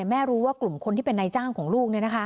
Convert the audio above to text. ไม่รู้ว่ากลุ่มคนที่เป็นนายจ้างของลูก